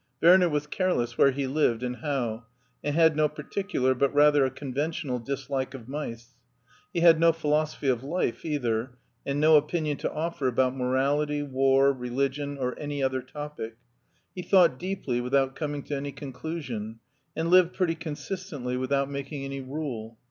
Werner was careless where he lived and how, and had no particu lar but rather a conventional dislike of mice. He had no philosophy of life either, and no opinion to offer about morality, war, religion, or any other topic; he thought deeply without coming to any conclusion, and lived pretty consistently without making any rule.